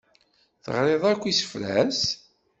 Teɣriḍ akk isefra-s?